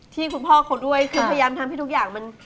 ที่คุณพ่อเขาด้วยคือพยายามทำให้ทุกอย่างมัน